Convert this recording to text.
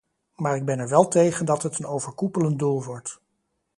Maar ik ben er wel tegen dat het een overkoepelend doel wordt.